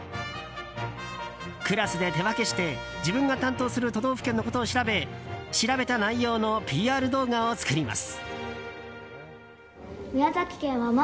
クラスで手分けして自分が担当する都道府県のことを調べ調べた内容のＰＲ動画を作ります。